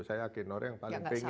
saya agen orang yang paling pengen